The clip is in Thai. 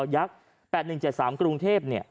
ยย๘๑๗๓กรุงเทพเนี่ย